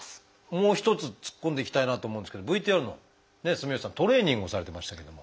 もう一つ突っ込んでいきたいなと思うんですけどＶＴＲの住吉さんトレーニングをされてましたけれども。